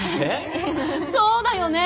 そうだよね。